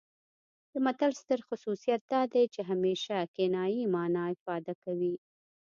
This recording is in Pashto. د متل ستر خصوصیت دا دی چې همیشه کنايي مانا افاده کوي